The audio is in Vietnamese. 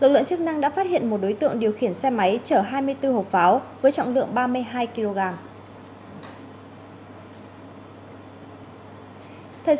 lực lượng chức năng đã phát hiện một đối tượng điều khiển xe máy chở hai mươi bốn hộp pháo với trọng lượng ba mươi hai kg